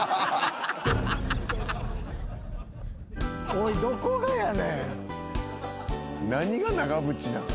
おいどこがやねん！？